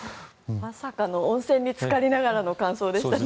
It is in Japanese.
まさかの温泉につかりながらの感想でしたね。